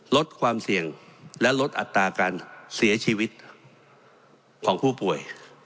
ลดความเสี่ยงและลดอัตราการเสียชีวิตของผู้ป่วย